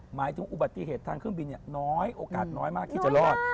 หมายถึงอุบัติเหตุทางเครื่องบินน้อยโอกาสน้อยมากที่จะรอด